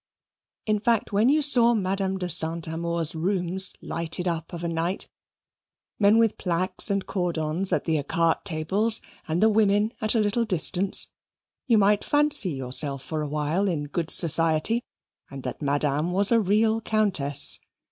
In fact, when you saw Madame de Saint Amour's rooms lighted up of a night, men with plaques and cordons at the ecarte tables, and the women at a little distance, you might fancy yourself for a while in good society, and that Madame was a real Countess.